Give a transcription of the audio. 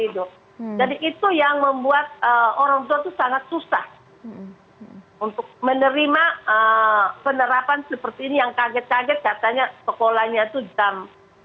jadi itu yang membuat orang tua itu sangat susah untuk menerima penerapan seperti ini yang kaget kaget katanya sekolahnya itu jam tujuh belas